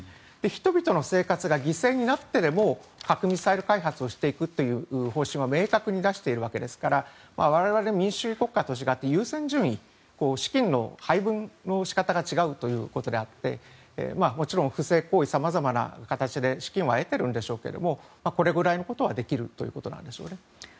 人々の生活が犠牲になってでも核・ミサイル開発をしていくという方針は明確に出しているわけですから我々、民主主義国家と違って優先順位資金の配分の仕方が違うということでもちろん不正行為、様々な形で資金は得ているんでしょうけどこれくらいのことはできるということなんでしょうね。